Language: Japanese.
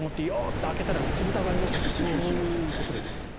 て開けたらうちぶたがありましたみたいなそういうこと。